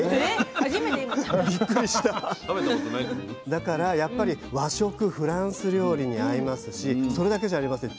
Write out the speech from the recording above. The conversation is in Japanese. だからやっぱり和食フランス料理に合いますしそれだけじゃありません。